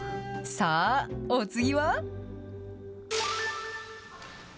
さあ、お次は？